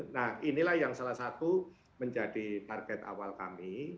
nah inilah yang salah satu menjadi target awal kami